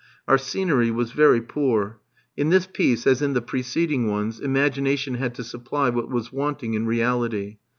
Our scenery was very poor. In this piece, as in the preceding ones, imagination had to supply what was wanting in reality.